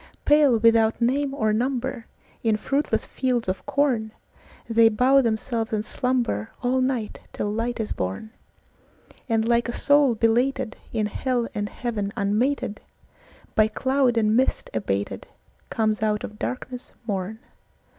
Pale, without name or number, In fruitless fields of corn, They bow themselves and slumberAll night till light is born; And like a soul belated, In hell and heaven unmated, By cloud and mist abatedComes out of darkness morn.